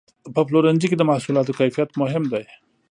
په پلورنځي کې د محصولاتو کیفیت مهم دی.